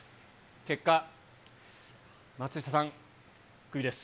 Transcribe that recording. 結果、松下さん、クビです。